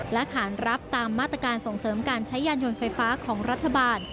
และขานรับตามมาตรการส่งเสริมการใช้ยานยนต์ไฟฟ้าของรัฐบาล